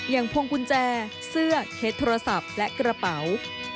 พวงกุญแจเสื้อเคสโทรศัพท์และกระเป๋า